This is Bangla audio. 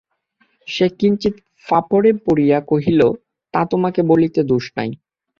সে কিঞ্চিৎ ফাঁপরে পড়িয়া কহিল, তা, তোমাকে বলিতে দোষ নাই।